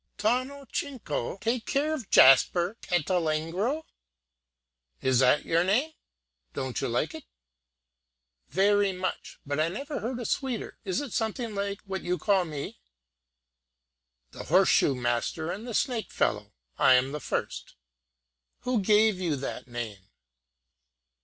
Tawno Chikno take care of Jasper Petulengro!" "Is that your name?" "Don't you like it?" "Very much, I never heard a sweeter; it is something like what you call me." "The horseshoe master and the snake fellow I am the first." "Who gave you that name?"